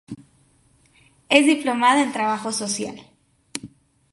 Es diplomada en Trabajo Social.